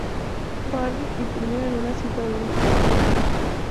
Barry y terminan en una cita doble con e